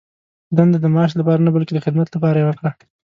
دنده د معاش لپاره نه، بلکې د خدمت لپاره یې وکړه.